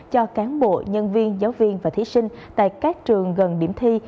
cho cán bộ nhân viên giáo viên và thí sinh tại các trường gần điểm thi